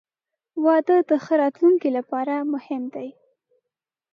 • واده د ښه راتلونکي لپاره مهم دی.